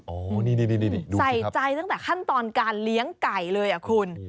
โอ้นี่ดูสิครับใส่ใจตั้งแต่ขั้นตอนการเลี้ยงไก่เลยอ่ะคุณ